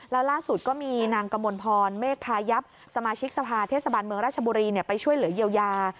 แล้วล่าสุดก็มีนางกมลพรเมฆพายับสมาชิกสภาเทศบาลเมืองราชบุรีไปช่วยเหลือเยียวยา